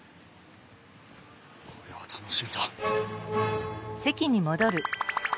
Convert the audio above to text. これは楽しみだ！